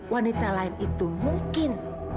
wanita lain itu mungkin